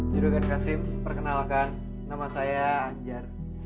jodohkan kasim perkenalkan nama saya anjar